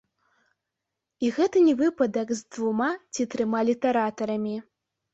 І гэта не выпадак з двума ці трыма літаратарамі.